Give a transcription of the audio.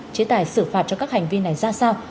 chế tài xử phạt cho các hành vi này ra sao